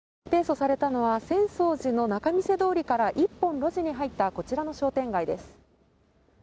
提訴されたのは、浅草寺の仲見世通りから１本路地に入ったこちらの商店街です。